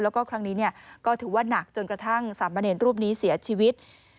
แล้วก็ครั้งนี้ก็ถือว่านักจนกระทั่งสามเณรรูปนี้เสียชีวิต